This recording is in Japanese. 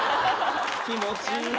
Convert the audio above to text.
気持ちいい。